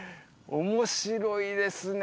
面白いですね